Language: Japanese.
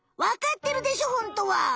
わかってるでしょホントは！